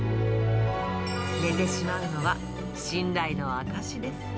寝てしまうのは信頼の証しです。